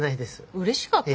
うれしかったの？